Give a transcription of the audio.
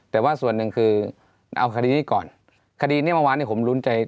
แต่ว่าส่วนหนึ่งคือเอาคดีนี้ก่อนคดีนี้เมื่อวานเนี่ยผมลุ้นใจ